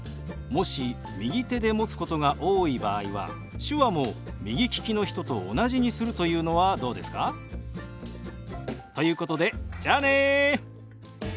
もし右手で持つことが多い場合は手話も右利きの人と同じにするというのはどうですか？ということでじゃあね。